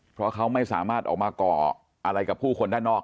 เพราะเขาไม่สามารถออกมาก่ออะไรกับผู้คนด้านนอก